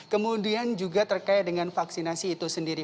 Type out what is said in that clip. kemudian juga terkait dengan vaksinasi itu sendiri